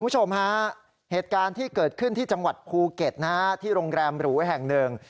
คุณผู้ชมฮะเหตุการณ์ที่เกิดขึ้นที่จังหวัดภูเก็ตนะฮะที่โรงแรมหรูแห่งหนึ่ง